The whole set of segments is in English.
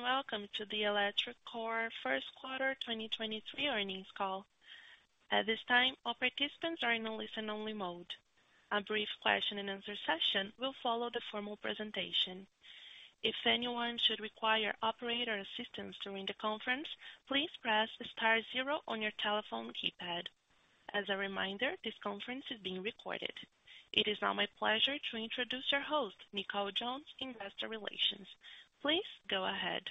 Welcome to the electroCore first quarter 2023 earnings call. At this time, all participants are in a listen-only mode. A brief question and answer session will follow the formal presentation. If anyone should require operator assistance during the conference, please press star zero on your telephone keypad. As a reminder, this conference is being recorded. It is now my pleasure to introduce your host, Nicole Jones, Investor Relations. Please go ahead.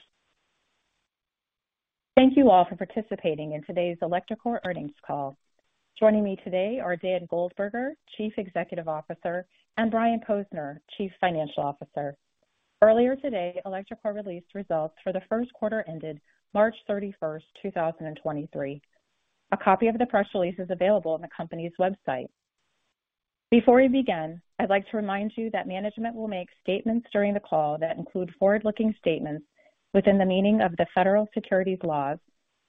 Thank you all for participating in today's electroCore earnings call. Joining me today are Dan Goldberger, Chief Executive Officer, and Brian Posner, Chief Financial Officer. Earlier today, electroCore released results for the first quarter ended March 31st, 2023. A copy of the press release is available on the company's website. Before we begin, I'd like to remind you that management will make statements during the call that include forward-looking statements within the meaning of the federal securities laws,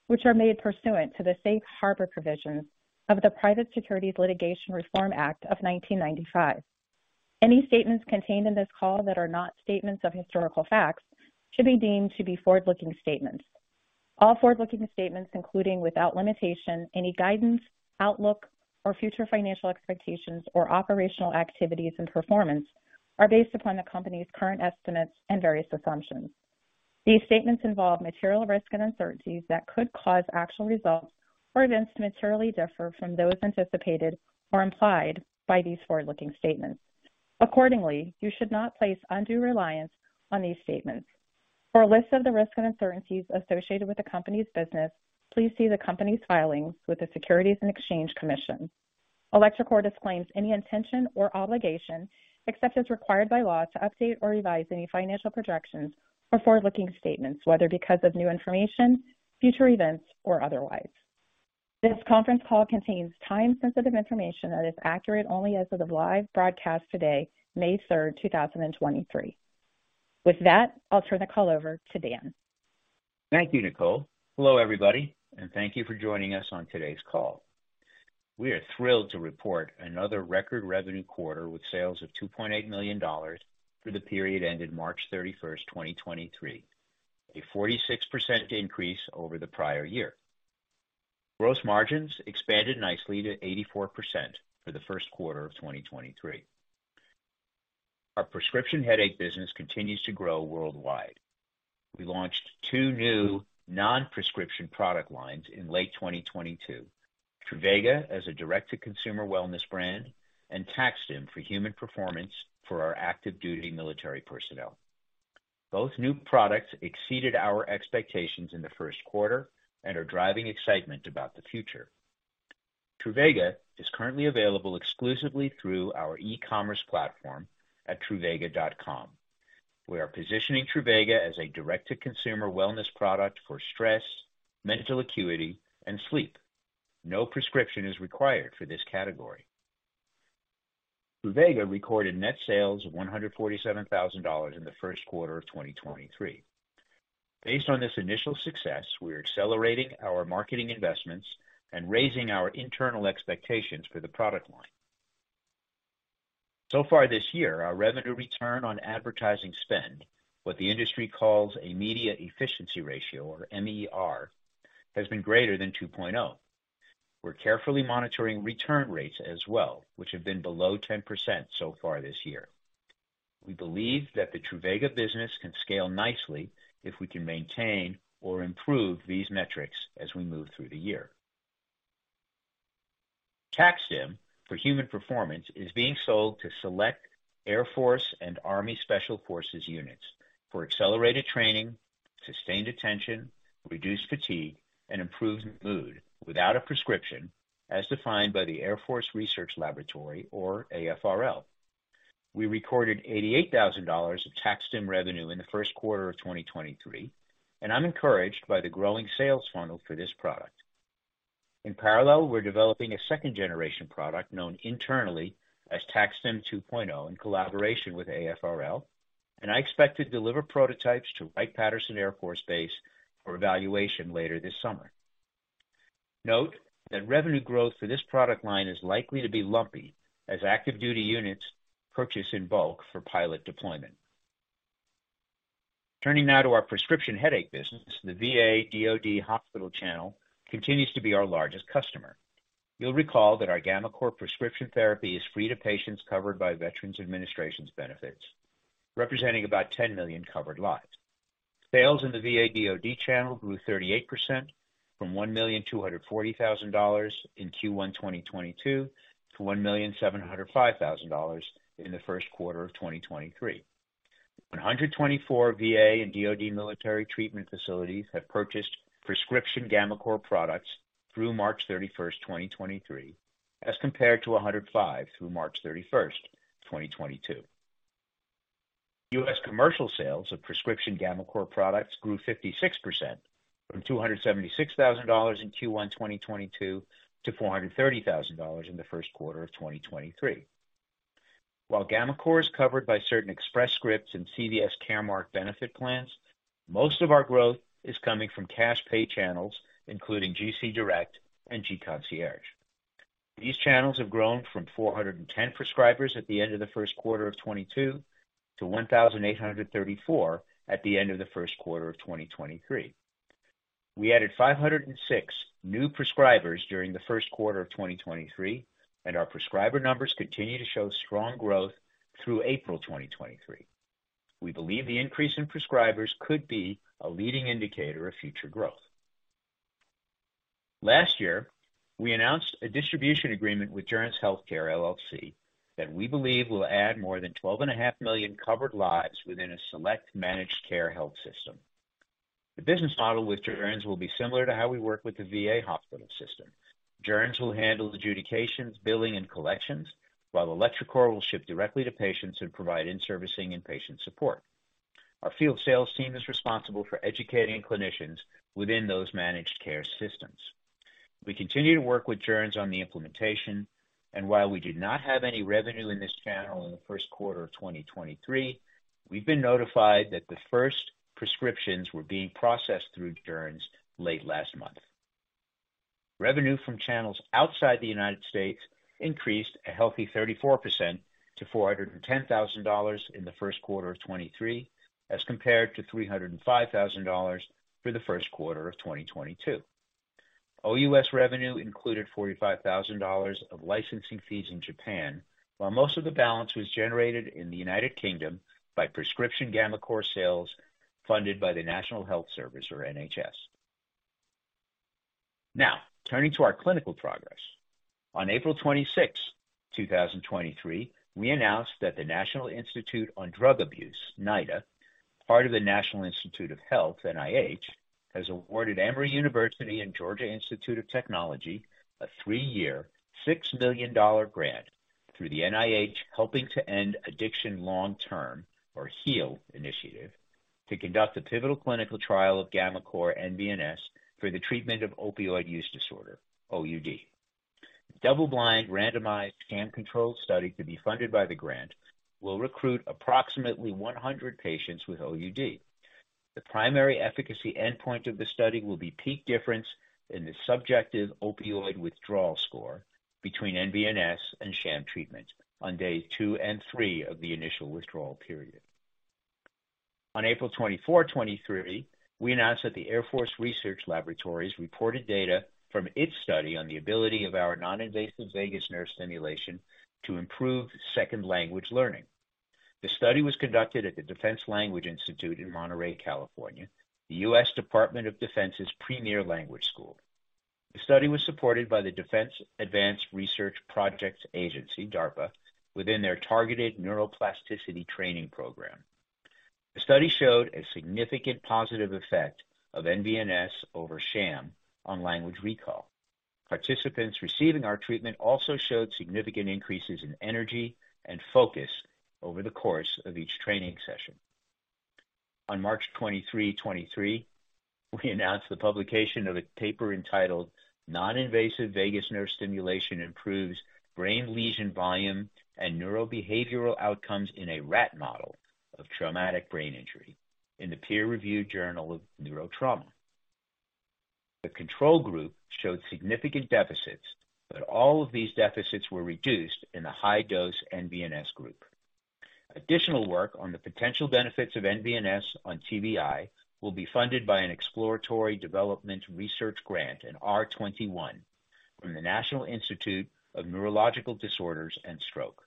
which are made pursuant to the Safe Harbor provisions of the Private Securities Litigation Reform Act of 1995. Any statements contained in this call that are not statements of historical facts should be deemed to be forward-looking statements. All forward-looking statements, including, without limitation, any guidance, outlook, or future financial expectations or operational activities and performance, are based upon the company's current estimates and various assumptions. These statements involve material risk and uncertainties that could cause actual results or events to materially differ from those anticipated or implied by these forward-looking statements. Accordingly, you should not place undue reliance on these statements. For a list of the risks and uncertainties associated with the company's business, please see the company's filings with the Securities and Exchange Commission. electroCore disclaims any intention or obligation, except as required by law, to update or revise any financial projections or forward-looking statements, whether because of new information, future events, or otherwise. This conference call contains time-sensitive information that is accurate only as of the live broadcast today, May 3rd, 2023. With that, I'll turn the call over to Dan. Thank you, Nicole. Hello, everybody, and thank you for joining us on today's call. We are thrilled to report another record revenue quarter with sales of $2.8 million for the period ended March 31st, 2023, a 46% increase over the prior year. Gross margins expanded nicely to 84% for the first quarter of 2023. Our prescription headache business continues to grow worldwide. We launched two new non-prescription product lines in late 2022. Truvaga as a direct-to-consumer wellness brand, and TAC-STIM for human performance for our active duty military personnel. Both new products exceeded our expectations in the first quarter and are driving excitement about the future. Truvaga is currently available exclusively through our e-commerce platform at truvaga.com. We are positioning Truvaga as a direct-to-consumer wellness product for stress, mental acuity, and sleep. No prescription is required for this category. Truvaga recorded net sales of $147,000 in the first quarter of 2023. Based on this initial success, we are accelerating our marketing investments and raising our internal expectations for the product line. Far this year, our revenue return on advertising spend, what the industry calls a media efficiency ratio, or MER, has been greater than 2.0. We're carefully monitoring return rates as well, which have been below 10% so far this year. We believe that the Truvaga business can scale nicely if we can maintain or improve these metrics as we move through the year. TAC-STIM for human performance is being sold to select Air Force and Army Special Forces units for accelerated training, sustained attention, reduced fatigue, and improved mood without a prescription, as defined by the Air Force Research Laboratory, or AFRL. We recorded $88,000 of TAC-STIM revenue in the first quarter of 2023. I'm encouraged by the growing sales funnel for this product. In parallel, we're developing a second-generation product known internally as TAC-STIM 2.0 in collaboration with AFRL. I expect to deliver prototypes to Wright-Patterson Air Force Base for evaluation later this summer. Note that revenue growth for this product line is likely to be lumpy as active duty units purchase in bulk for pilot deployment. Turning now to our prescription headache business. The VA/DoD hospital channel continues to be our largest customer. You'll recall that our gammaCore prescription therapy is free to patients covered by Veterans Administration's benefits, representing about 10 million covered lives. Sales in the VA/DoD channel grew 38% from $1,240,000 in Q1 2022-$1,705,000 in the first quarter of 2023. 124 VA and DoD military treatment facilities have purchased prescription gammaCore products through March 31st, 2023, as compared to 105 through March 31st, 2022. U.S. commercial sales of prescription gammaCore products grew 56% from $276,000 in Q1 2022-$430,000 in the first quarter of 2023. While gammaCore is covered by certain Express Scripts and CVS Caremark benefit plans, most of our growth is coming from cash pay channels, including gCDirect and gConcierge. These channels have grown from 410 prescribers at the end of the first quarter of 2022 to 1,834 at the end of the first quarter of 2023. We added 506 new prescribers during the first quarter of 2023, and our prescriber numbers continue to show strong growth through April 2023. We believe the increase in prescribers could be a leading indicator of future growth. Last year, we announced a distribution agreement with Joerns Healthcare, LLC that we believe will add more than 12.5 million covered lives within a select managed care health system. The business model with Joerns will be similar to how we work with the VA hospital system. Joerns will handle adjudications, billing, and collections, while electroCore will ship directly to patients and provide in-servicing and patient support. Our field sales team is responsible for educating clinicians within those managed care systems. We continue to work with Joerns on the implementation, and while we do not have any revenue in this channel in the first quarter of 2023, we've been notified that the first prescriptions were being processed through Joerns late last month. Revenue from channels outside the United States increased a healthy 34% to $410,000 in the first quarter of 2023 as compared to $305,000 for the first quarter of 2022. OUS revenue included $45,000 of licensing fees in Japan, while most of the balance was generated in the United Kingdom by prescription gammaCore sales funded by the National Health Service or NHS. Turning to our clinical progress. On April 26, 2023, we announced that the National Institute on Drug Abuse, NIDA, part of the National Institutes of Health, NIH, has awarded Emory University and Georgia Institute of Technology a three-year, $6 million grant through the NIH Helping to End Addiction Long-term, or HEAL initiative, to conduct a pivotal clinical trial of gammaCore nVNS for the treatment of opioid use disorder, OUD. Double-blind randomized sham-controlled study to be funded by the grant will recruit approximately 100 patients with OUD. The primary efficacy endpoint of the study will be peak difference in the subjective opioid withdrawal score between nVNS and sham treatment on day two and three of the initial withdrawal period. On April 24, 2023, we announced that the Air Force Research Laboratory reported data from its study on the ability of our non-invasive vagus nerve stimulation to improve second language learning. The study was conducted at the Defense Language Institute Foreign Language Center in Presidio of Monterey, California, the U.S. Department of Defense's premier language school. The study was supported by the Defense Advanced Research Projects Agency, DARPA, within their targeted neuroplasticity training program. The study showed a significant positive effect of nVNS over sham on language recall. Participants receiving our treatment also showed significant increases in energy and focus over the course of each training session. On March 23, 2023, we announced the publication of a paper entitled Non-Invasive Vagus Nerve Stimulation Improves Brain Lesion Volume and Neurobehavioral Outcomes in a Rat Model of Traumatic Brain Injury in the peer-reviewed Journal of Neurotrauma. The control group showed significant deficits, but all of these deficits were reduced in the high-dose nVNS group. Additional work on the potential benefits of nVNS on TBI will be funded by an exploratory development research grant in R21 from the National Institute of Neurological Disorders and Stroke.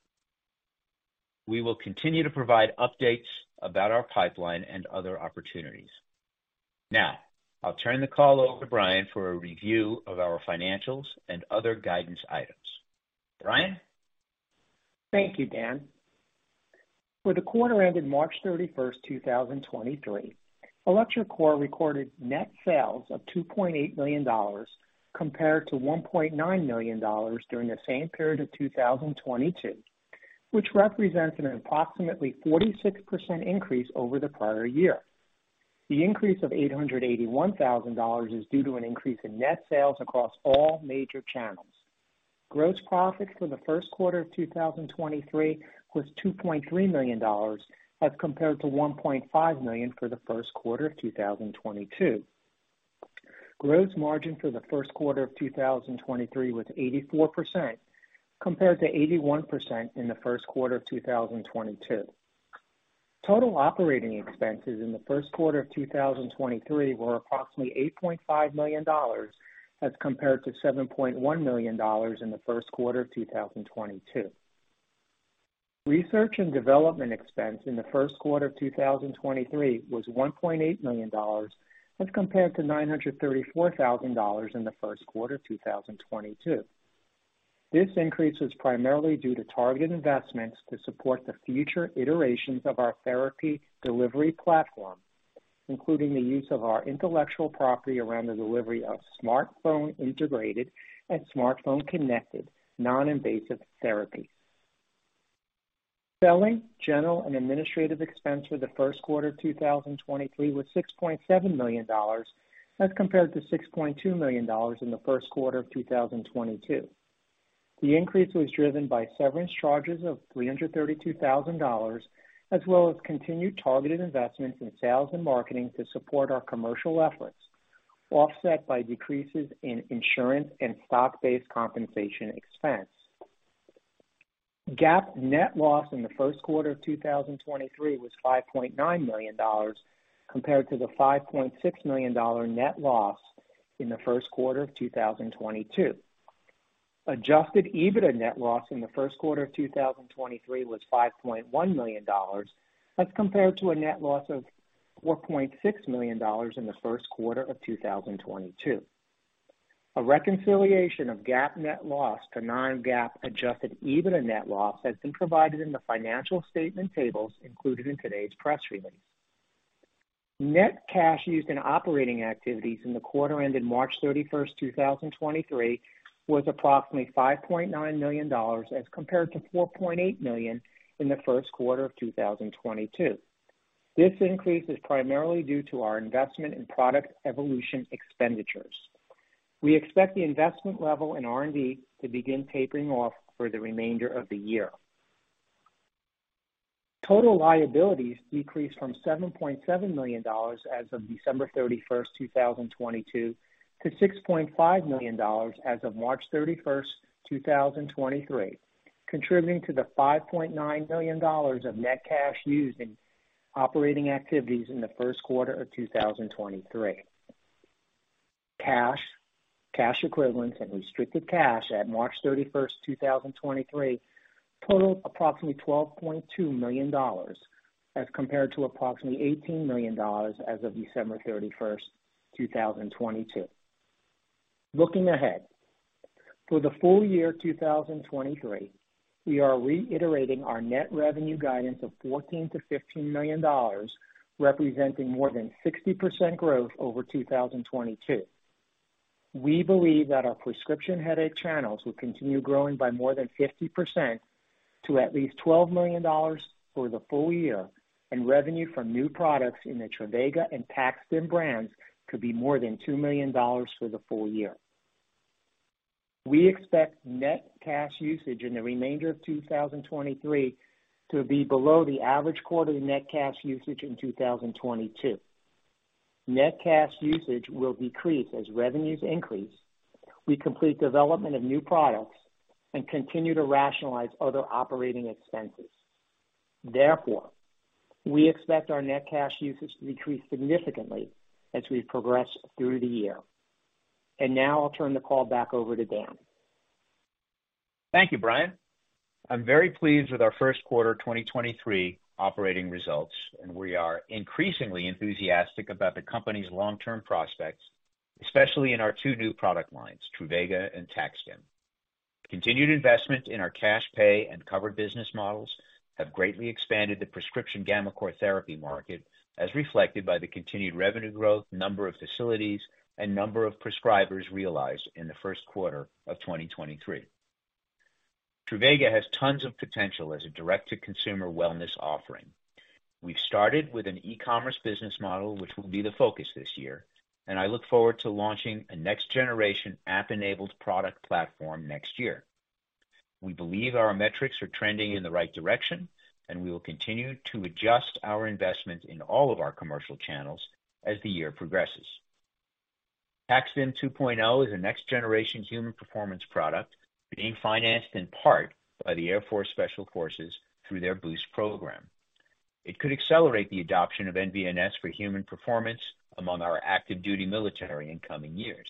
We will continue to provide updates about our pipeline and other opportunities. I'll turn the call over to Brian for a review of our financials and other guidance items. Brian? Thank you, Dan. For the quarter ended March 31st, 2023, electroCore recorded net sales of $2.8 million compared to $1.9 million during the same period of 2022, which represents an approximately 46% increase over the prior year. The increase of $881,000 is due to an increase in net sales across all major channels. Gross profits for the first quarter of 2023 was $2.3 million as compared to $1.5 million for the first quarter of 2022. Gross margin for the first quarter of 2023 was 84%, compared to 81% in the first quarter of 2022. Total operating expenses in the first quarter of 2023 were approximately $8.5 million as compared to $7.1 million in the first quarter of 2022. Research and development expense in the first quarter of 2023 was $1.8 million as compared to $934,000 in the first quarter of 2022. This increase was primarily due to targeted investments to support the future iterations of our therapy delivery platform, including the use of our intellectual property around the delivery of smartphone integrated and smartphone connected non-invasive therapy. Selling, general, and administrative expense for the first quarter of 2023 was $6.7 million as compared to $6.2 million in the first quarter of 2022. The increase was driven by severance charges of $332,000, as well as continued targeted investments in sales and marketing to support our commercial efforts, offset by decreases in insurance and stock-based compensation expense. GAAP net loss in the first quarter of 2023 was $5.9 million, compared to the $5.6 million dollar net loss in the first quarter of 2022. Adjusted EBITDA net loss in the first quarter of 2023 was $5.1 million, as compared to a net loss of $4.6 million in the first quarter of 2022. A reconciliation of GAAP net loss to non-GAAP adjusted EBITDA net loss has been provided in the financial statement tables included in today's press release. Net cash used in operating activities in the quarter ended March 31st, 2023 was approximately $5.9 million, as compared to $4.8 million in the first quarter of 2022. This increase is primarily due to our investment in product evolution expenditures. We expect the investment level in R&D to begin tapering off for the remainder of the year. Total liabilities decreased from $7.7 million as of December 31st, 2022 to $6.5 million as of March 31st, 2023, contributing to the $5.9 million of net cash used in operating activities in the first quarter of 2023. Cash, cash equivalents and restricted cash at March 31, 2023 totaled approximately $12.2 million as compared to approximately $18 million as of December 31, 2022. Looking ahead, for the full year 2023, we are reiterating our net revenue guidance of $14 million-$15 million, representing more than 60% growth over 2022. We believe that our prescription headache channels will continue growing by more than 50% to at least $12 million for the full year, and revenue from new products in the Truvaga and TAC-STIM brands could be more than $2 million for the full year. We expect net cash usage in the remainder of 2023 to be below the average quarterly net cash usage in 2022. Net cash usage will decrease as revenues increase. We complete development of new products and continue to rationalize other operating expenses. Therefore, we expect our net cash usage to decrease significantly as we progress through the year. Now I'll turn the call back over to Dan. Thank you, Brian. I'm very pleased with our first quarter 2023 operating results, we are increasingly enthusiastic about the company's long term prospects, especially in our two new product lines, Truvaga and TAC-STIM. Continued investment in our cash pay and covered business models have greatly expanded the prescription gammaCore therapy market, as reflected by the continued revenue growth, number of facilities and number of prescribers realized in the first quarter of 2023. Truvaga has tons of potential as a direct to consumer wellness offering. We've started with an e-commerce business model, which will be the focus this year, I look forward to launching a next generation app enabled product platform next year. We believe our metrics are trending in the right direction, we will continue to adjust our investment in all of our commercial channels as the year progresses. TAC-STIM 2.0 is a next generation human performance product being financed in part by the Air Force Special Forces through their BOOST program. It could accelerate the adoption of nVNS for human performance among our active duty military in coming years.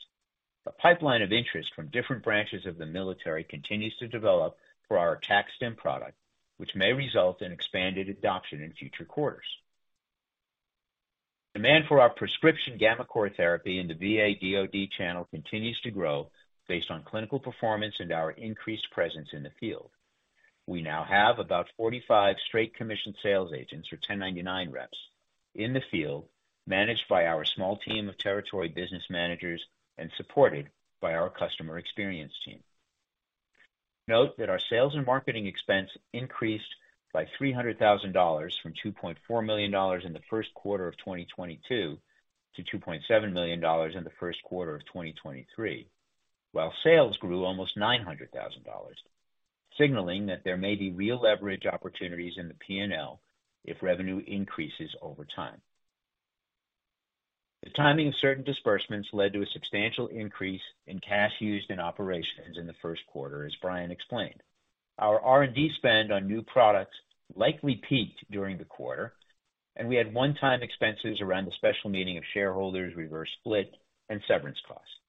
A pipeline of interest from different branches of the military continues to develop for our TAC-STIM product, which may result in expanded adoption in future quarters. Demand for our prescription gammaCore therapy in the VA/DoD channel continues to grow based on clinical performance and our increased presence in the field. We now have about 45 straight commissioned sales agents or 1099 reps in the field, managed by our small team of territory business managers and supported by our customer experience team. Note that our sales and marketing expense increased by $300,000 from $2.4 million in the first quarter of 2022 to $2.7 million in the first quarter of 2023, while sales grew almost $900,000, signaling that there may be real leverage opportunities in the PNL if revenue increases over time. The timing of certain disbursements led to a substantial increase in cash used in operations in the first quarter, as Brian explained. Our R&D spend on new products likely peaked during the quarter, and we had one-time expenses around the special meeting of shareholders, reverse split and severance costs.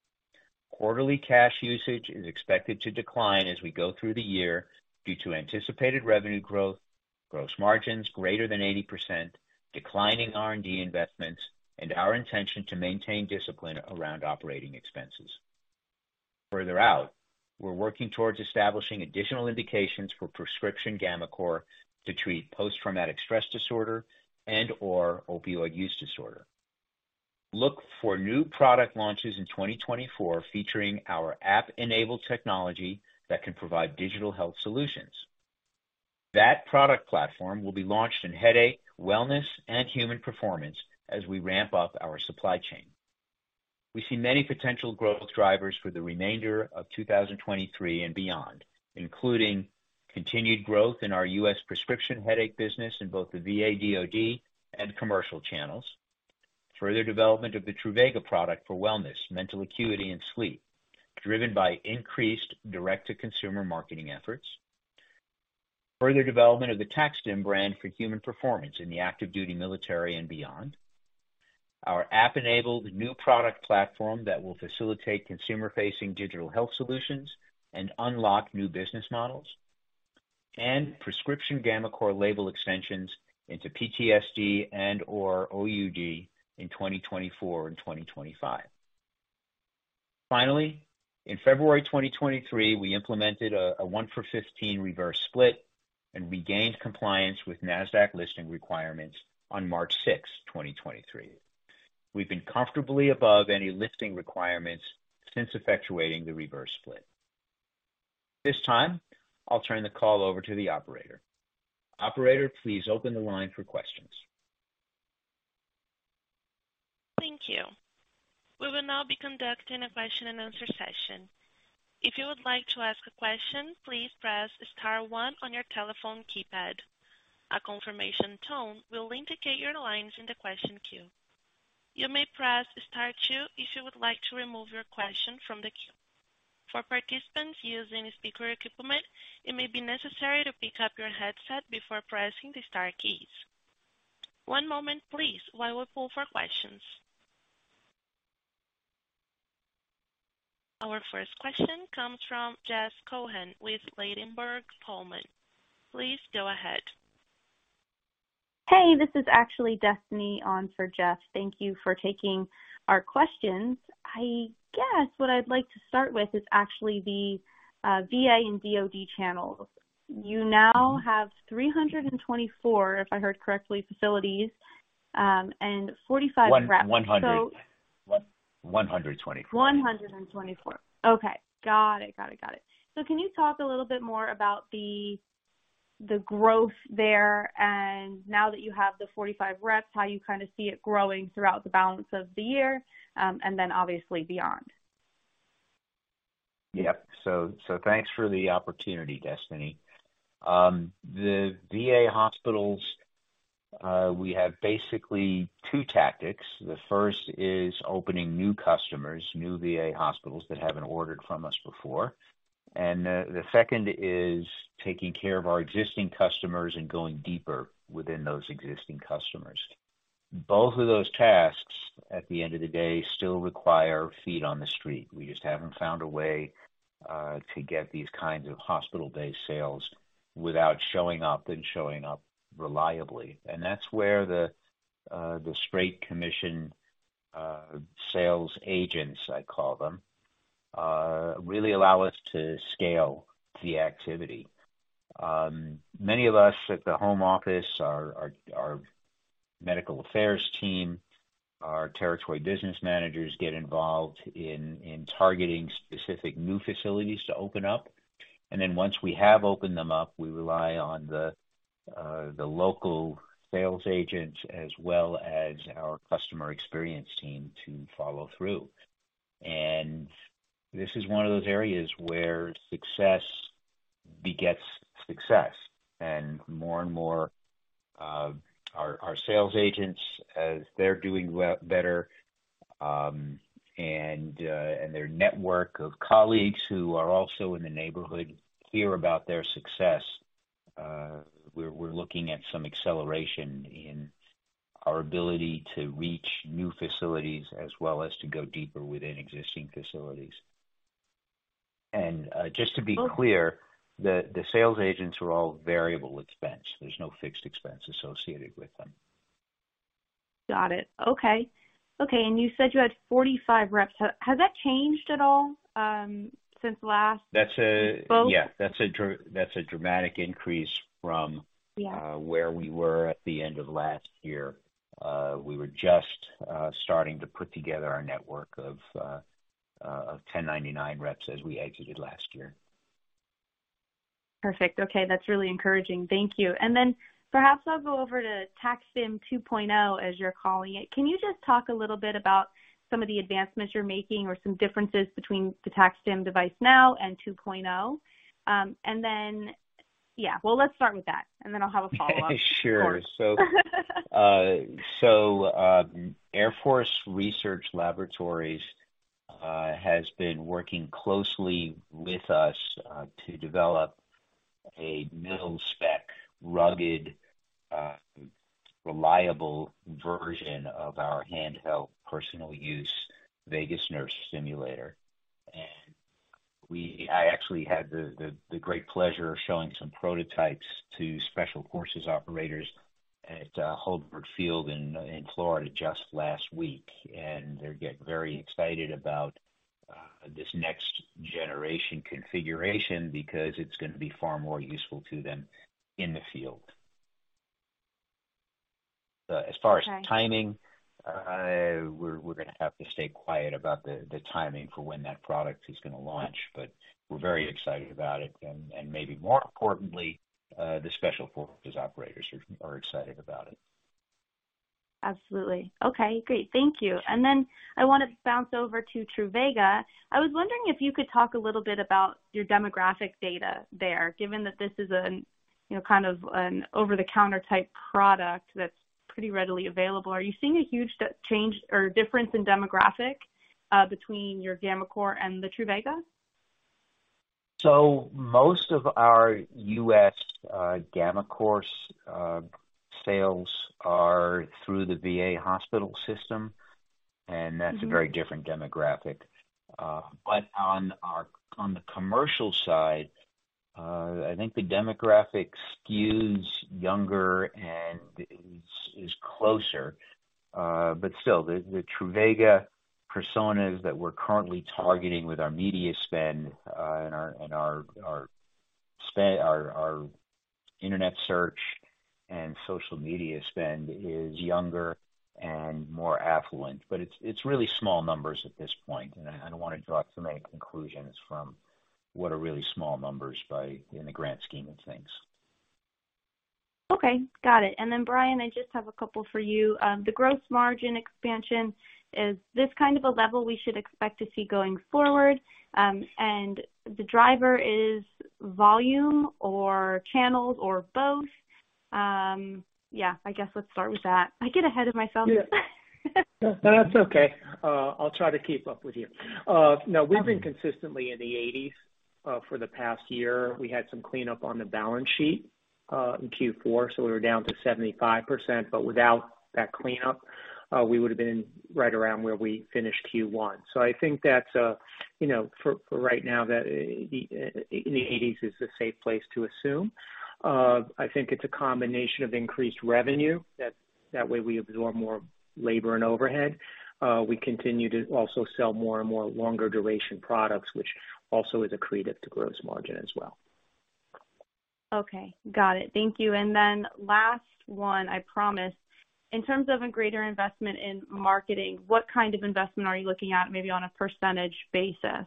Quarterly cash usage is expected to decline as we go through the year due to anticipated revenue growth, gross margins greater than 80%, declining R&D investments, and our intention to maintain discipline around operating expenses. Further out, we're working towards establishing additional indications for prescription gammaCore to treat post-traumatic stress disorder and/or opioid use disorder. Look for new product launches in 2024 featuring our app-enabled technology that can provide digital health solutions. That product platform will be launched in headache, wellness and human performance as we ramp up our supply chain. We see many potential growth drivers for the remainder of 2023 and beyond, including continued growth in our US prescription headache business in both the VA/DoD and commercial channels. Further development of the Truvaga product for wellness, mental acuity and sleep, driven by increased direct-to-consumer marketing efforts. Further development of the TAC-STIM brand for human performance in the active duty military and beyond. Our app-enabled new product platform that will facilitate consumer facing digital health solutions and unlock new business models. Prescription gammaCore label extensions into PTSD and/or OUD in 2024 and 2025. Finally, in February 2023, we implemented a 1-for-15 reverse split and regained compliance with Nasdaq listing requirements on March 6th, 2023. We've been comfortably above any listing requirements since effectuating the reverse split. This time, I'll turn the call over to the operator. Operator, please open the line for questions. Thank you. We will now be conducting a question and answer session. If you would like to ask a question, please press star one on your telephone keypad. A confirmation tone will indicate your line's in the question queue. You may press star two if you would like to remove your question from the queue. For participants using speaker equipment, it may be necessary to pick up your headset before pressing the star keys. One moment please, while we poll for questions. Our first question comes from Jeff Cohen with Ladenburg Thalmann. Please go ahead. Hey, this is actually Destiny on for Jeff. Thank you for taking our questions. I guess what I'd like to start with is actually the VA and DoD channels. You now have 324, if I heard correctly, facilities and 45 reps. One hundred. One hundred twenty-four. 124. Okay. Got it. Can you talk a little bit more about the growth there, and now that you have the 45 reps, how you kinda see it growing throughout the balance of the year, and then obviously beyond? Yep. Thanks for the opportunity, Destiny. The VA hospitals, we have basically two tactics. The first is opening new customers, new VA hospitals that haven't ordered from us before. The second is taking care of our existing customers and going deeper within those existing customers. Both of those tasks, at the end of the day, still require feet on the street. We just haven't found a way to get these kinds of hospital-based sales without showing up and showing up reliably. That's where the straight commission sales agents, I call them, really allow us to scale the activity. Many of us at the home office, our medical affairs team, our territory business managers get involved in targeting specific new facilities to open up. Once we have opened them up, we rely on the local sales agents as well as our customer experience team to follow through. This is one of those areas where success begets success. More and more, our sales agents, as they're doing better, and their network of colleagues who are also in the neighborhood hear about their success, we're looking at some acceleration in our ability to reach new facilities as well as to go deeper within existing facilities. Just to be clear, the sales agents are all variable expense. There's no fixed expense associated with them. Got it. Okay. Okay, you said you had 45 reps. has that changed at all, since last- That's. Both? Yeah. That's a dramatic increase from- Yeah... where we were at the end of last year. We were just starting to put together our network of 1099 reps as we exited last year. Perfect. Okay. That's really encouraging. Thank you. Then perhaps I'll go over to TAC-STIM 2.0, as you're calling it. Can you just talk a little bit about some of the advancements you're making or some differences between the TAC-STIM device now and 2.0? Well, let's start with that, and then I'll have a follow-up. Sure. Of course. Air Force Research Laboratory has been working closely with us to develop a middle spec, rugged, reliable version of our handheld personal use vagus nerve simulator. I actually had the great pleasure of showing some prototypes to Special Forces operators at Hurlburt Field in Florida just last week. They're getting very excited about this next generation configuration because it's going to be far more useful to them in the field. As far as timing. Okay... we're going to have to stay quiet about the timing for when that product is going to launch. We're very excited about it. Maybe more importantly, the Special Forces operators are excited about it. Absolutely. Okay, great. Thank you. I want to bounce over to Truvaga. I was wondering if you could talk a little bit about your demographic data there. Given that this is, you know, kind of an over-the-counter type product that's pretty readily available. Are you seeing a huge change or difference in demographic between your gammaCore and the Truvaga? Most of our U.S. gammaCore sales are through the VA hospital system. That's a very different demographic. On the commercial side, I think the demographic skews younger and is closer. Still the Truvaga personas that we're currently targeting with our media spend and our spend, our internet search and social media spend is younger and more affluent. It's really small numbers at this point. I don't want to draw too many conclusions from what are really small numbers by, in the grand scheme of things. Okay, got it. Brian, I just have a couple for you. The gross margin expansion, is this kind of a level we should expect to see going forward? The driver is volume or channels or both? I guess let's start with that. I get ahead of myself. No, that's okay. I'll try to keep up with you. No, we've been consistently in the 80s for the past year. We had some cleanup on the balance sheet in Q4, so we were down to 75%. Without that cleanup, we would've been right around where we finished Q1. I think that's, you know, for right now that in the 80s is a safe place to assume. I think it's a combination of increased revenue that way we absorb more labor and overhead. We continue to also sell more and more longer duration products, which also is accretive to gross margin as well. Okay, got it. Thank you. Last one, I promise. In terms of a greater investment in marketing, what kind of investment are you looking at maybe on a percentage basis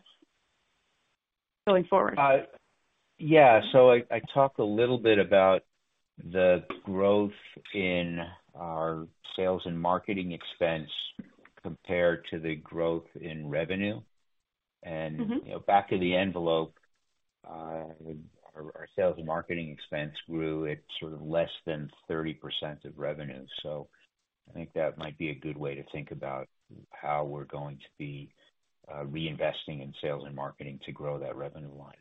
going forward? Yeah. I talked a little bit about the growth in our sales and marketing expense compared to the growth in revenue. Mm-hmm. You know, back of the envelope, our sales and marketing expense grew at sort of less than 30% of revenue. I think that might be a good way to think about how we're going to be reinvesting in sales and marketing to grow that revenue line.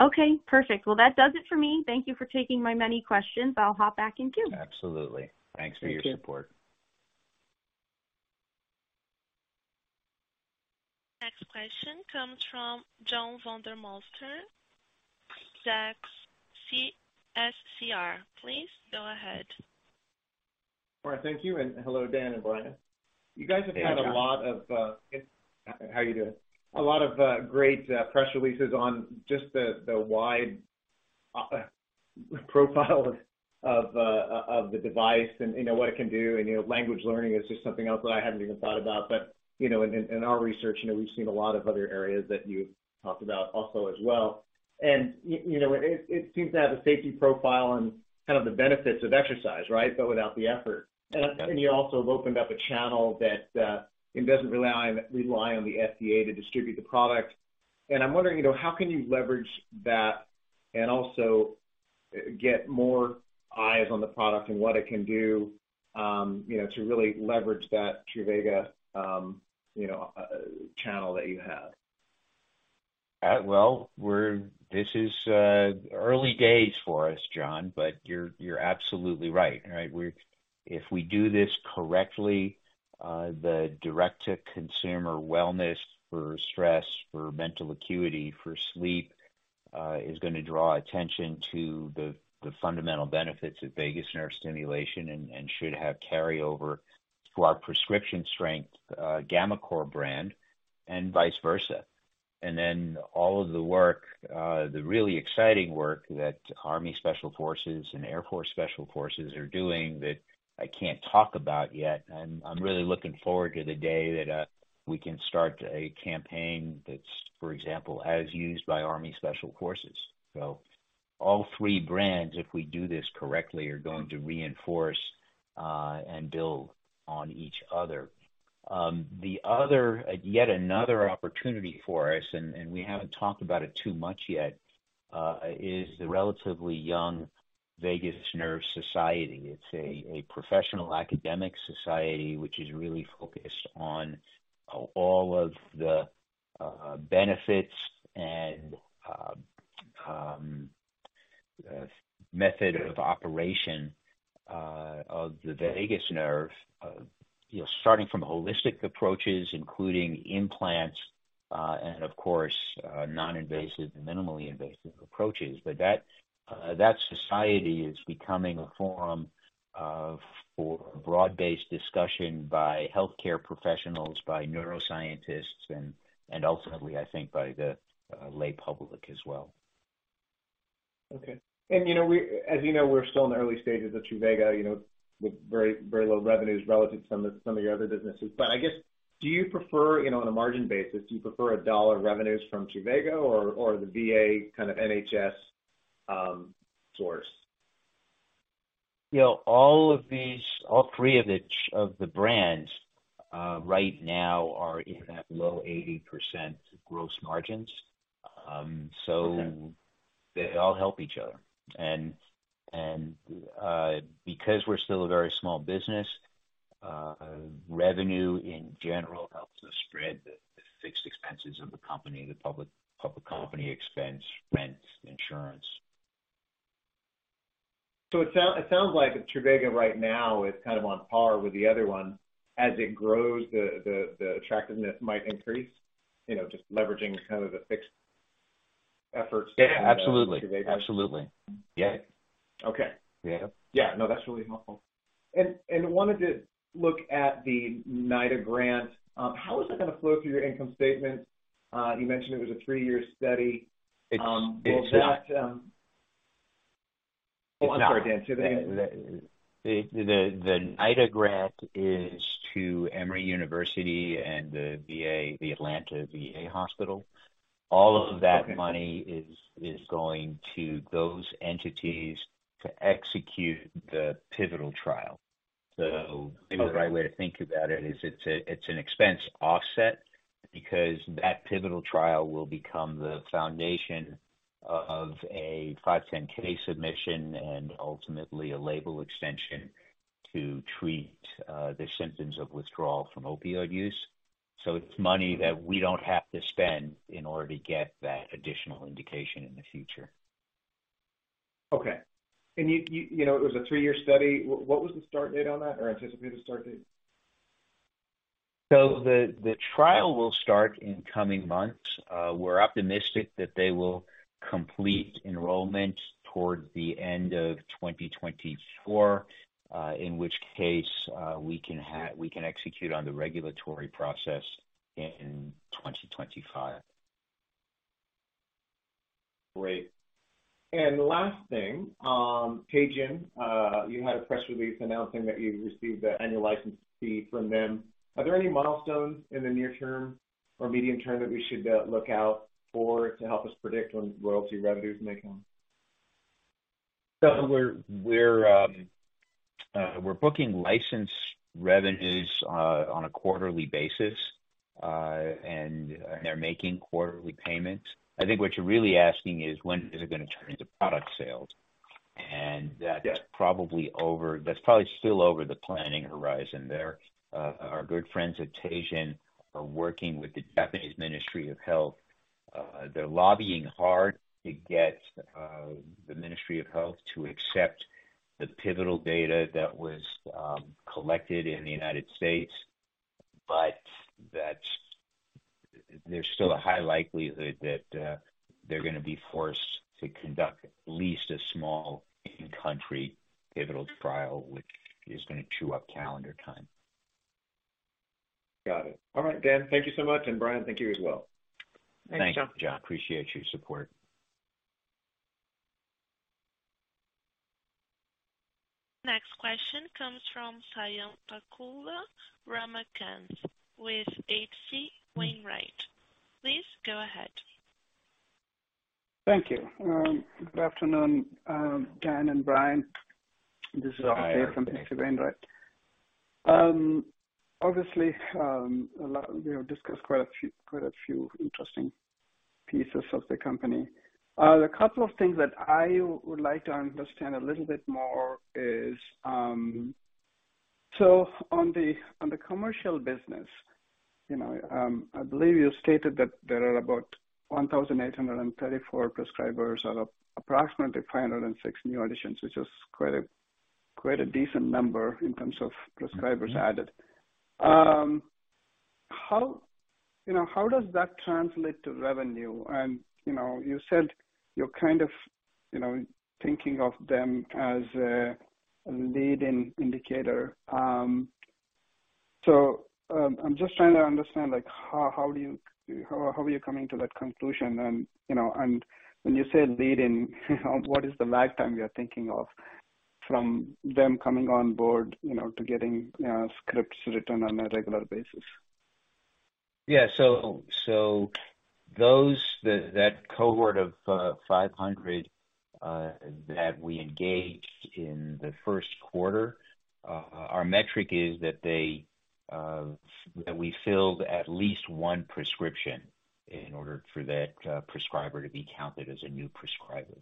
Okay, perfect. Well, that does it for me. Thank you for taking my many questions. I'll hop back in queue. Absolutely. Thanks for your support. Thank you. Next question comes from John Vandermosten, Zacks SCR. Please go ahead. All right. Thank you, and hello, Dan and Brian. Hey, John. You guys have had a lot of. How you doing? A lot of great press releases on just the wide profile of of the device and, you know, what it can do. You know, language learning is just something else that I hadn't even thought about. You know, in our research, you know, we've seen a lot of other areas that you've talked about also as well. You know, it seems to have a safety profile and kind of the benefits of exercise, right? Without the effort. You also have opened up a channel that it doesn't rely on the FDA to distribute the product. I'm wondering, you know, how can you leverage that and also get more eyes on the product and what it can do, you know, to really leverage that Truvaga, you know, channel that you have? Well, this is early days for us, John, but you're absolutely right. Right? If we do this correctly, the direct to consumer wellness for stress, for mental acuity, for sleep, is going to draw attention to the fundamental benefits of vagus nerve stimulation and should have carryover to our prescription strength, gammaCore brand and vice versa. All of the work, the really exciting work that Army Special Forces and Air Force Special Forces are doing that I can't talk about yet. I'm really looking forward to the day that we can start a campaign that's, for example, as used by Army Special Forces. All three brands, if we do this correctly, are going to reinforce and build on each other. The other, yet another opportunity for us, and we haven't talked about it too much yet, is the relatively young Vagus Nerve Society. It's a professional academic society which is really focused on all of the benefits and method of operation of the vagus nerve, you know, starting from holistic approaches including implants, and of course, non-invasive, minimally invasive approaches. That society is becoming a forum for broad-based discussion by healthcare professionals, by neuroscientists and ultimately, I think by the lay public as well. Okay. You know, as you know, we're still in the early stages of Truvaga, you know, with very, very low revenues relative to some of your other businesses. I guess do you prefer, you know, on a margin basis, do you prefer a dollar revenues from Truvaga or the VA kind of NHS source? You know, all of these, all three of the brands, right now are in that low 80% gross margins. They all help each other. Because we're still a very small business, revenue in general helps us spread the fixed expenses of the company, the public company expense, rent, insurance. It sounds like Truvaga right now is kind of on par with the other ones. As it grows, the attractiveness might increase, you know, just leveraging kind of the fixed efforts. Yeah, absolutely. Absolutely. Yeah. Okay. Yeah. Yeah. No, that's really helpful. Wanted to look at the NIDA grant. How is that going to flow through your income statement? You mentioned it was a three-year study. It's not. Oh, I'm sorry, Dan. The NIDA grant is to Emory University and the VA, the Atlanta VA Hospital. All of that money is going to those entities to execute the pivotal trial. The right way to think about it is it's an expense offset because that pivotal trial will become the foundation of a 510(k) submission and ultimately a label extension to treat the symptoms of withdrawal from opioid use. It's money that we don't have to spend in order to get that additional indication in the future. Okay. You know it was a three-year study. What was the start date on that or anticipated start date? The trial will start in coming months. We're optimistic that they will complete enrollment toward the end of 2024, in which case, we can execute on the regulatory process in 2025. Great. Last thing, Teijin Pharma, you had a press release announcing that you received the annual license fee from them. Are there any milestones in the near term or medium term that we should look out for to help us predict when royalty revenue is making? We're booking license revenues on a quarterly basis. They're making quarterly payments. I think what you're really asking is when is it going to turn into product sales? That's probably still over the planning horizon there. Our good friends at Teijin Pharma are working with the Japanese Ministry of Health. They're lobbying hard to get the Ministry of Health to accept the pivotal data that was collected in the United States. That's still a high likelihood that they're going to be forced to conduct at least a small in-country pivotal trial, which is going to chew up calendar time. Got it. All right, Dan, thank you so much. Brian, thank you as well. Thank you, John. Appreciate your support. Next question comes from Swayampakula Ramakanth with H.C. Wainwright. Please go ahead. Thank you. Good afternoon, Dan and Brian. This is Sayam from H.C. Wainwright. Obviously, we have discussed quite a few interesting pieces of the company. The couple of things that I would like to understand a little bit more is on the commercial business, you know, I believe you stated that there are about 1,834 prescribers out of approximately 506 new additions, which is quite a decent number in terms of prescribers added. How, you know, how does that translate to revenue? You said you're kind of, you know, thinking of them as a leading indicator. I'm just trying to understand, like, how do you, how are you coming to that conclusion? You know, and when you said leading, what is the lag time you're thinking of from them coming on board, you know, to getting scripts written on a regular basis? That cohort of 500 that we engaged in the first quarter, our metric is that they that we filled at least one prescription in order for that prescriber to be counted as a new prescriber.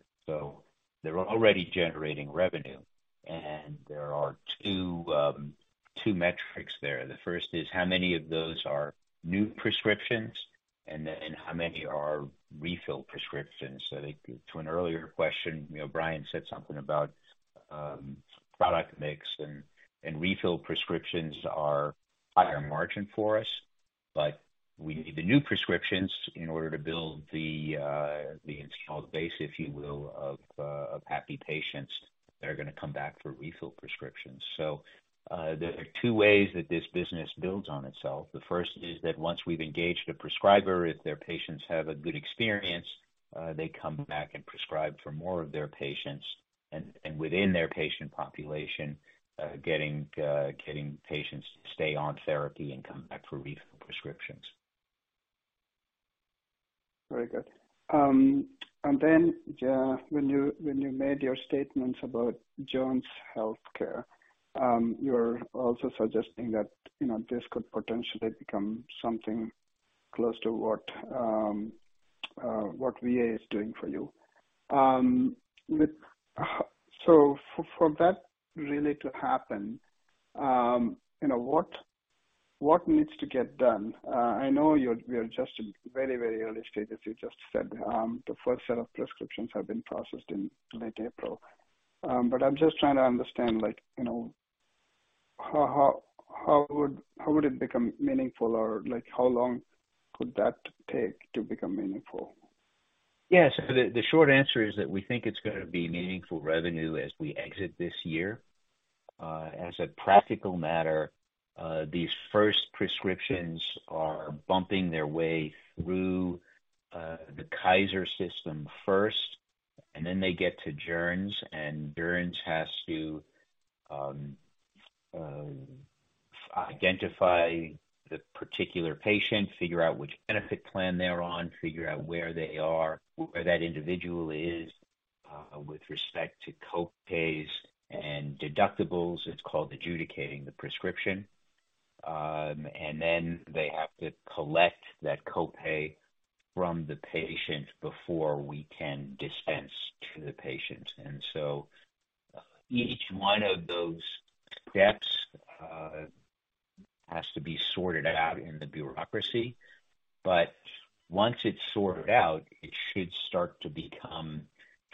They're already generating revenue. There are two metrics there. The first is how many of those are new prescriptions and how many are refill prescriptions. To an earlier question, you know, Brian said something about product mix and refill prescriptions are higher margin for us, but we need the new prescriptions in order to build the installed base, if you will, of happy patients that are going to come back for refill prescriptions. There are two ways that this business builds on itself. The first is that once we've engaged a prescriber, if their patients have a good experience, they come back and prescribe for more of their patients and within their patient population, getting patients to stay on therapy and come back for refill prescriptions. Very good. When you made your statements about Joerns Healthcare, you're also suggesting that, you know, this could potentially become something close to what VA is doing for you. For that really to happen, you know, what needs to get done? I know we are just in very, very early stages. You just said, the first set of prescriptions have been processed in late April. I'm just trying to understand, like, you know, how would it become meaningful or like, how long could that take to become meaningful? Yes. The short answer is that we think it's going to be meaningful revenue as we exit this year. As a practical matter, these first prescriptions are bumping their way through the Kaiser system first, then they get to Joerns has to identify the particular patient, figure out which benefit plan they're on, figure out where they are, where that individual is, with respect to co-pays and deductibles. It's called adjudicating the prescription. Then they have to collect that co-pay from the patient before we can dispense to the patient. Each one of those steps has to be sorted out in the bureaucracy. Once it's sorted out, it should start to become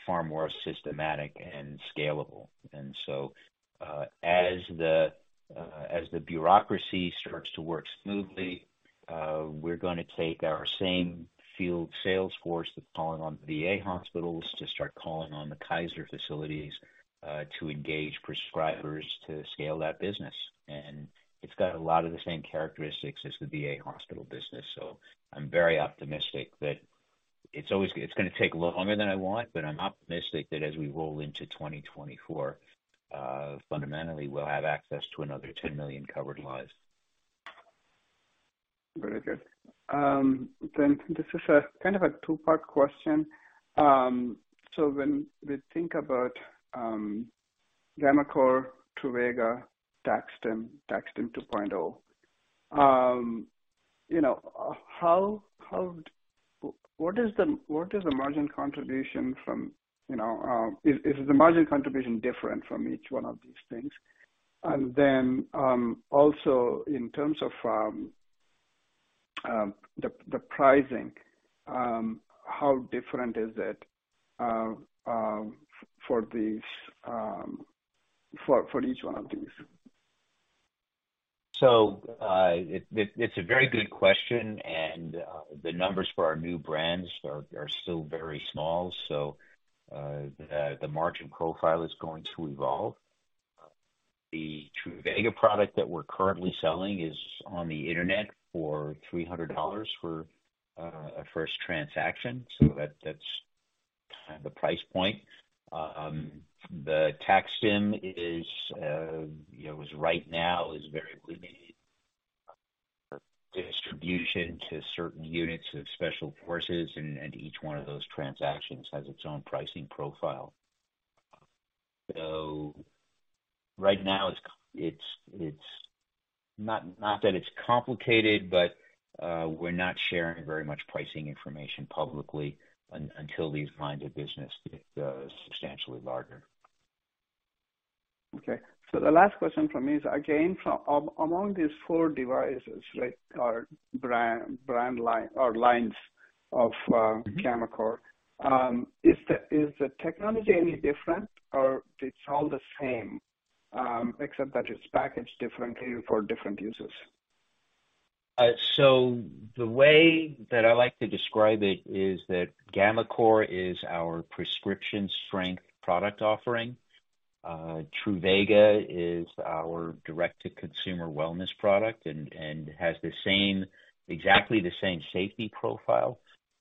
far more systematic and scalable. As the, as the bureaucracy starts to work smoothly, we're going to take our same field sales force that's calling on VA hospitals to start calling on the Kaiser facilities, to engage prescribers to scale that business. It's got a lot of the same characteristics as the VA hospital business. I'm very optimistic that it's always... It's going to take longer than I want, but I'm optimistic that as we roll into 2024, fundamentally we'll have access to another 10 million covered lives. Very good. This is a kind of a two-part question. When we think about gammaCore, Truvaga, TAC-STIM, TAC-STIM 2.0, you know, what is the margin contribution from, you know, is the margin contribution different from each one of these things? Also in terms of the pricing, how different is it for these for each one of these? It's a very good question. The numbers for our new brands are still very small. The margin profile is going to evolve. The Truvaga product that we're currently selling is on the internet for $300 for a first transaction. That's kind of the price point. The TAC-STIM is, you know, right now is very limited distribution to certain units of special forces, and each one of those transactions has its own pricing profile. Right now it's not that it's complicated, but we're not sharing very much pricing information publicly until these lines of business get substantially larger. Okay. The last question from me is, again, among these four devices, right? Brand line or lines of gammaCore, is the technology any different or it's all the same, except that it's packaged differently for different uses? The way that I like to describe it is that gammaCore is our prescription strength product offering. Truvaga is our direct to consumer wellness product and has the same, exactly the same safety profile,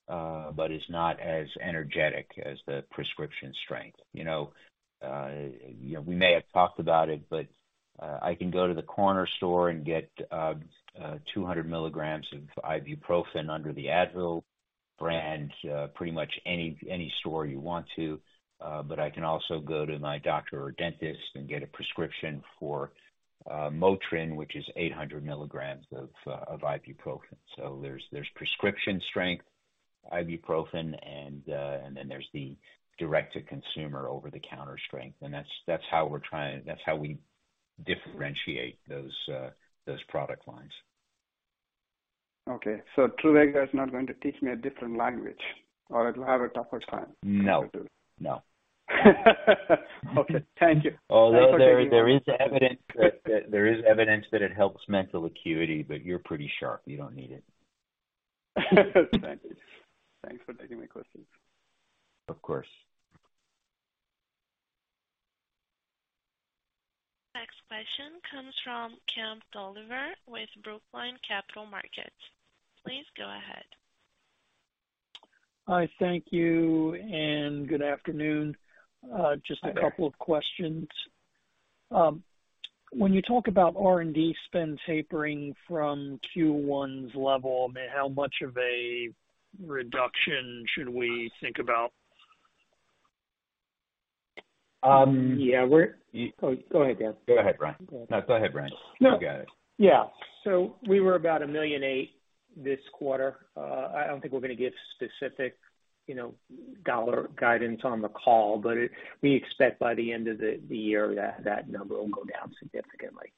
but is not as energetic as the prescription strength. You know, you know, we may have talked about it, I can go to the corner store and get 200 milligrams of ibuprofen under the Advil brand, pretty much any store you want to. I can also go to my doctor or dentist and get a prescription for Motrin, which is 800 milligrams of ibuprofen. There's prescription strength ibuprofen and then there's the direct to consumer over the counter strength. That's how we're trying, that's how we differentiate those product lines. Okay. Truvaga is not going to teach me a different language or I will have a tougher time. No. No. Okay. Thank you. There is evidence that it helps mental acuity, but you're pretty sharp. You don't need it. Thank you. Thanks for taking my questions. Of course. Next question comes from Kemp Dolliver with Brookline Capital Markets. Please go ahead. Hi. Thank you and good afternoon. Hi there. Just a couple of questions. When you talk about R&D spend tapering from Q1's level, I mean, how much of a reduction should we think about? Um. Yeah, we're... Oh, go ahead, Dan. Go ahead, Brian. No, go ahead, Brian. You got it. Yeah. We were about $1.8 million this quarter. I don't think we're going to give specific, you know, dollar guidance on the call, but we expect by the end of the year that number will go down significantly.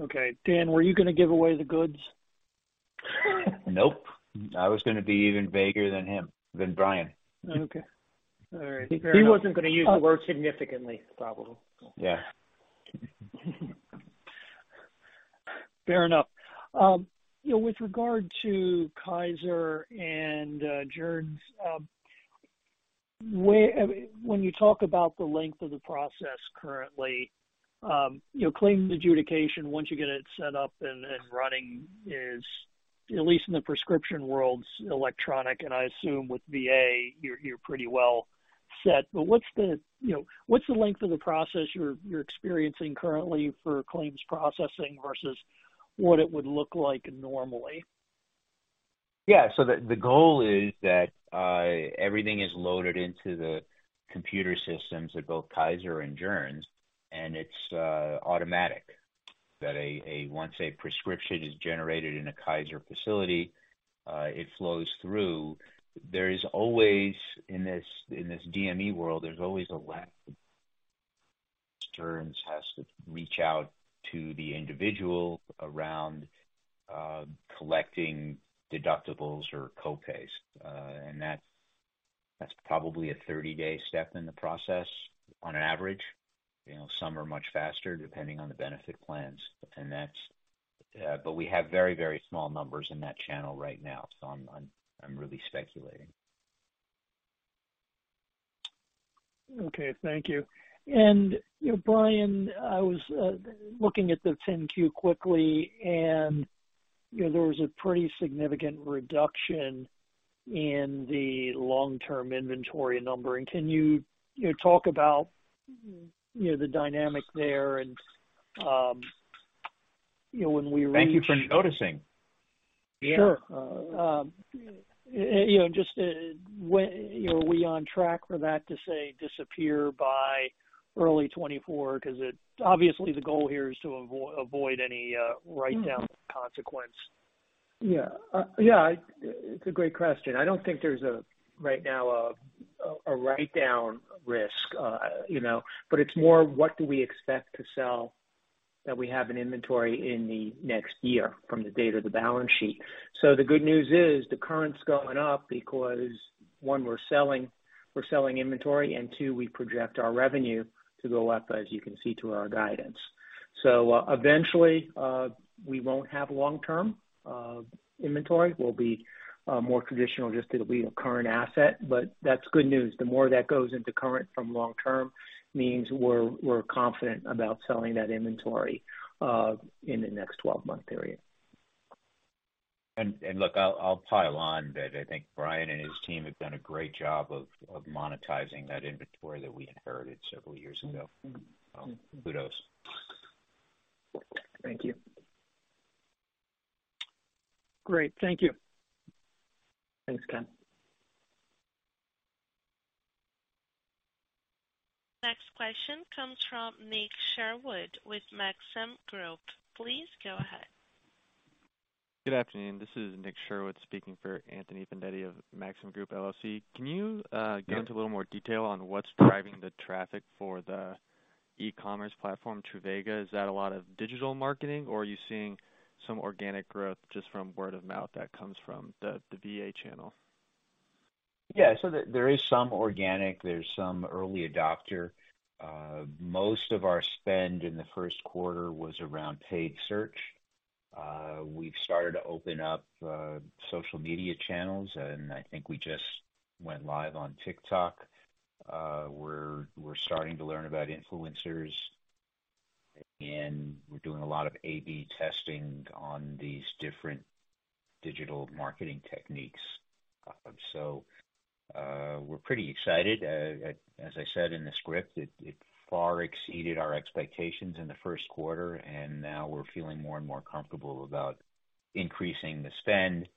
Okay. Dan, were you going to give away the goods? Nope. I was going to be even vaguer than him, than Brian. Okay. All right. Fair enough. He wasn't going to use the word significantly, probably. Yeah. Fair enough. You know, with regard to Kaiser and Joerns, where, when you talk about the length of the process currently, you know, claims adjudication, once you get it set up and running is, at least in the prescription world's electronic, and I assume with VA you're pretty well set, but what's the, you know, what's the length of the process you're experiencing currently for claims processing versus what it would look like normally? Yeah. The goal is that everything is loaded into the computer systems at both Kaiser and Joerns, and it's automatic. That once a prescription is generated in a Kaiser facility, it flows through. There is always in this DME world, there's always a lag. Joerns has to reach out to the individual around collecting deductibles or co-pays. That's probably a 30-day step in the process on average. You know, some are much faster depending on the benefit plans. We have very, very small numbers in that channel right now, so I'm really speculating. Okay, thank you. You know, Brian, I was looking at the 10-Q quickly, and, you know, there was a pretty significant reduction in the long-term inventory number. Can you know, talk about, you know, the dynamic there? Thank you for noticing. Sure. You know, just, when, you know, are we on track for that to, say, disappear by early 2024? Obviously the goal here is to avoid any write down consequence. It's a great question. I don't think there's a, right now, a write down risk, you know. It's more what do we expect to sell that we have in inventory in the next year from the date of the balance sheet. The good news is the current's going up because, one, we're selling inventory, and two, we project our revenue to go up, as you can see through our guidance. Eventually, we won't have long-term inventory. We'll be more traditional, just it'll be a current asset, but that's good news. The more that goes into current from long-term means we're confident about selling that inventory in the next 12-month period. Look, I'll pile on that I think Brian and his team have done a great job of monetizing that inventory that we inherited several years ago. Kudos. Thank you. Great. Thank you. Thanks, Ken. Next question comes from Nick Sherwood with Maxim Group. Please go ahead. Good afternoon. This is Nick Sherwood speaking for Anthony Vendetti of Maxim Group LLC. Can you get into a little more detail on what's driving the traffic for the e-commerce platform, Truvaga? Is that a lot of digital marketing or are you seeing some organic growth just from word of mouth that comes from the VA channel? There is some organic, there's some early adopter. Most of our spend in the first quarter was around paid search. We've started to open up social media channels, and I think we just went live on TikTok. We're starting to learn about influencers, and we're doing a lot of AB testing on these different digital marketing techniques. We're pretty excited. As I said in the script, it far exceeded our expectations in the first quarter, and now we're feeling more and more comfortable about increasing the spend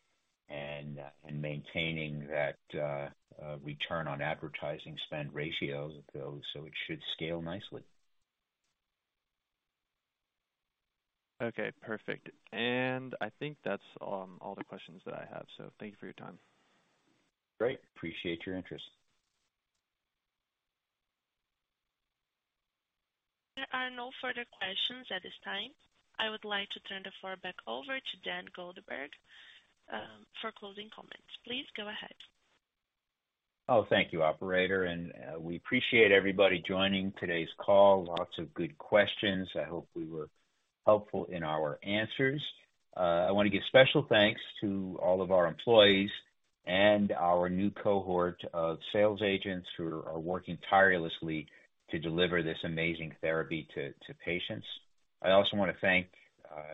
and maintaining that return on advertising spend ratio, it should scale nicely. Okay, perfect. I think that's all the questions that I have, so thank you for your time. Great. Appreciate your interest. There are no further questions at this time. I would like to turn the floor back over to Dan Goldberger for closing comments. Please go ahead. Oh, thank you, operator, and we appreciate everybody joining today's call. Lots of good questions. I hope we were helpful in our answers. I want to give special thanks to all of our employees and our new cohort of sales agents who are working tirelessly to deliver this amazing therapy to patients. I also want to thank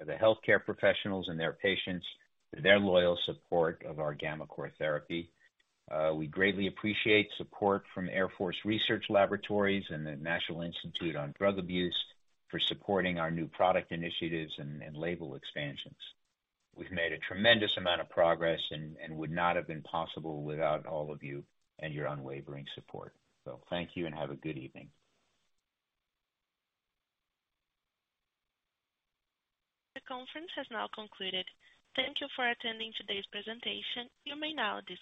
the healthcare professionals and their patients for their loyal support of our gammaCore therapy. We greatly appreciate support from Air Force Research Laboratory and the National Institute on Drug Abuse for supporting our new product initiatives and label expansions. We've made a tremendous amount of progress and would not have been possible without all of you and your unwavering support. Thank you and have a good evening. The conference has now concluded. Thank you for attending today's presentation. You may now disconnect.